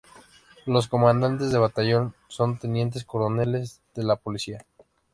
Los Comandantes de Batallón son Tenientes coroneles de la policía.